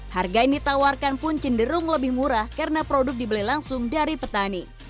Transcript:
harga yang ditawarkan pun cenderung lebih murah karena produk dibeli langsung dari petani